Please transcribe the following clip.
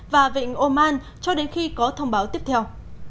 và vịnh oman cho đến khi có thông báo tiếp theo